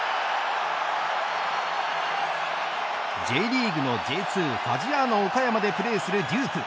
ＪリーグのＪ２ファジアーノ岡山でプレーするデューク。